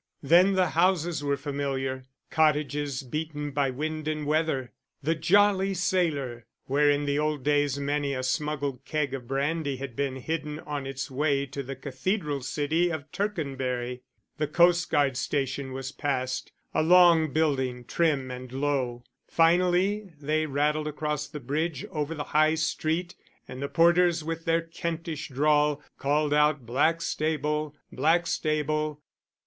Then the houses were familiar, cottages beaten by wind and weather, the Jolly Sailor, where in the old days many a smuggled keg of brandy had been hidden on its way to the cathedral city of Tercanbury. The coastguard station was passed, a long building, trim and low. Finally they rattled across the bridge over the High Street; and the porters with their Kentish drawl, called out, "Blackstable, Blackstable."